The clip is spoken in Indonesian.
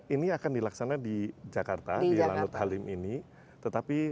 ini akan dilaksanakan di jakarta di lalu talim ini